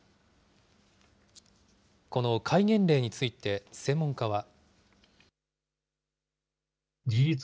この戒厳令について、専門家は。